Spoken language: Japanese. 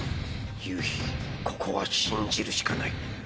夕日ここは信じるしかない。